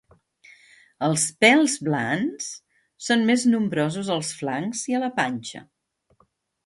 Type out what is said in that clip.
Els pèls blans són més nombrosos als flancs i a la panxa.